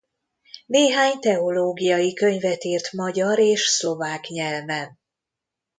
Néhány teológiai könyvet írt magyar és szlovák nyelven.